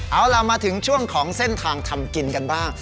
เอาล่ะมาถึงช่วงของเส้นทางทำกินกันบ้าง